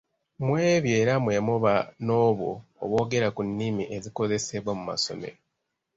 Mu ebyo era mwe muba n’obwo obwogera ku nnimi ezikozesebwa mu masomero.